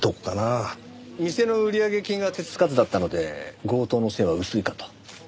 店の売上金が手つかずだったので強盗の線は薄いかと。